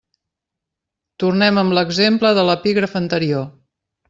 Tornem amb l'exemple de l'epígraf anterior.